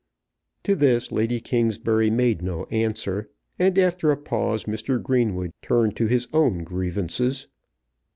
To this Lady Kingsbury made no answer; and after a pause Mr. Greenwood turned to his own grievances.